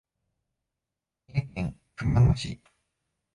三重県熊野市